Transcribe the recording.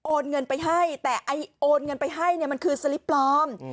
เงินไปให้แต่โอนเงินไปให้เนี่ยมันคือสลิปปลอม